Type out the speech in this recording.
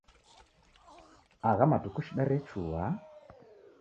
Agha matuku shida rechua.